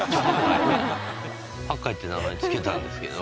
ハッカイって名前付けたんですけど。